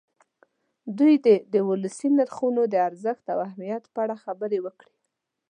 دوی دې د ولسي نرخونو د ارزښت او اهمیت په اړه خبرې وکړي.